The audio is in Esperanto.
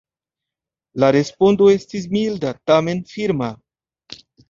La respondo estis milda, tamen firma.